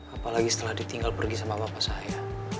apalagi setelah ditinggal pergi sama bapak saya